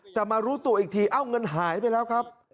แต่มารู้ตัวอีกทีเอ้าเงินหายไปแล้วครับ